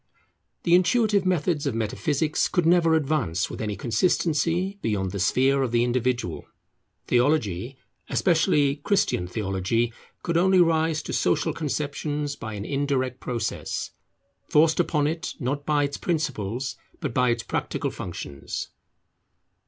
The intuitive methods of metaphysics could never advance with any consistency beyond the sphere of the individual. Theology, especially Christian theology, could only rise to social conceptions by an indirect process, forced upon it, not by its principles, but by its practical functions.